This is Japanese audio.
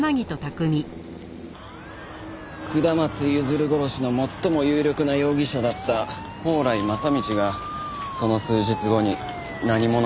下松譲殺しの最も有力な容疑者だった宝来正道がその数日後に何者かに殺された。